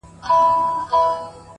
اخلاص د زړه ژبه ده،